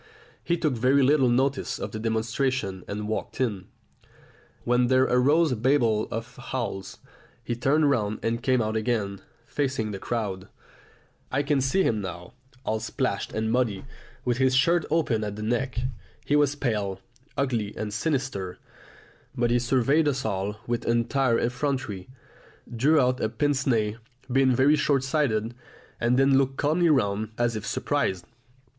He took very little notice of the demonstration and walked in, when there arose a babel of howls. He turned round and came out again, facing the crowd. I can see him now, all splashed and muddy, with his shirt open at the neck. He was pale, ugly, and sinister; but he surveyed us all with entire effrontery, drew out a pince nez, being very short sighted, and then looked calmly round as if surprised.